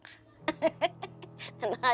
daripada nggak makan